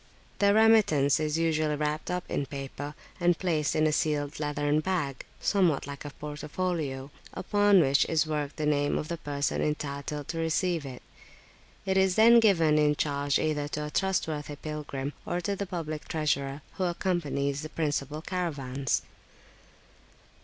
The remittance is usually wrapped up in paper, and placed in a sealed leathern bag, somewhat like a portfolio, upon which is worked the name of the person entitled to receive it. It is then given in charge either to a trustworthy pilgrim, or to the public treasurer, who accompanies the principal caravans.